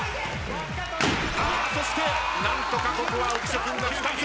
あそして何とかここは浮所君が２つ。